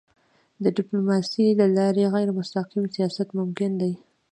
د ډيپلوماسی له لارې غیرمستقیم سیاست ممکن دی.